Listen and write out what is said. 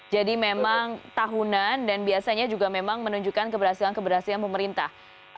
jadi memang tahunan dan biasanya juga memang menunjukkan keberhasilan keberhasilan pemerintah